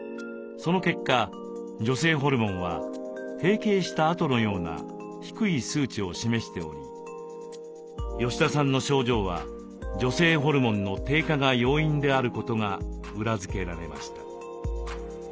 その結果女性ホルモンは閉経したあとのような低い数値を示しており吉田さんの症状は女性ホルモンの低下が要因であることが裏付けられました。